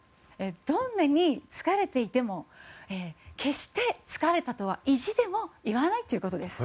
どんなに疲れていても決して「疲れた」とは意地でも言わないという事です。